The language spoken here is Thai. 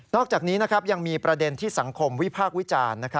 อกจากนี้ยังมีประเด็นที่สังคมวิพากษ์วิจารณ์